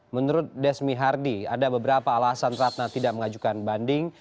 menurut desmi hardi ada beberapa alasan ratna tidak mengajukan banding